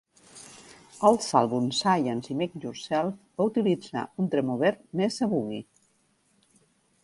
Als àlbums Science i Make Yourself va utilitzar un Tremoverb Mesa Boogie.